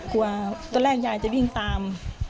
กลัวตอนแรกยายจะวิ่งตาม